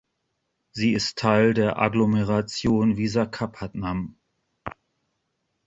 Sie ist Teil der Agglomeration Visakhapatnam.